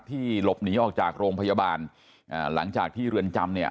หลบหนีออกจากโรงพยาบาลอ่าหลังจากที่เรือนจำเนี่ย